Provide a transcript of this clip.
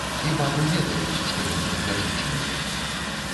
І бабы ведаюць, што ён тут ляжыць у мяне.